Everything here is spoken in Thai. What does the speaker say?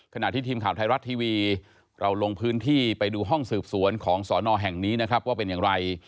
ขณะที่ทีมข่าวไทยรัฐทีวีเราลงพื้นที่ไปดูห้องสืบสวนของสอนอแห่งนี้นะครับว่าเป็นอย่างไร